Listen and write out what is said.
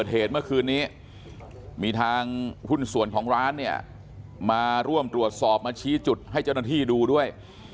หุ้นส่วนของร้านเนี่ยมาร่วมตรวจสอบมาชี้จุดให้เจ้าหน้าที่ดูด้วย